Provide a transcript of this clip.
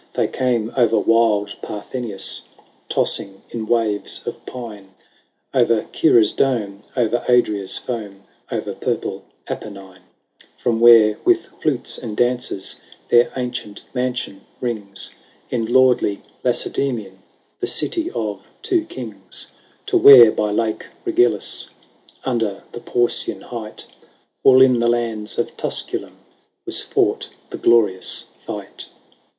They came o'er wild Parthenius Tossing in waves of pine. O'er Cirrha's dome, o'er Adria's foam. O'er purple Apennine, From where with flutes and dances Their ancient mansion rings, BATTLE OF THE LAKE REGILLUS. 97 In lordly Lacedaemon, The City of two kings, To where, by Lake RegiUus, Under the Porcian height, All in the lands of Tusculum, Was fought the glorious fight.